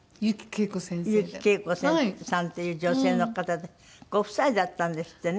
悠木圭子さんっていう女性の方でご夫妻だったんですってね？